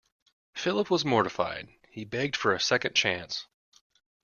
Philip was mortified. He begged for a second chance.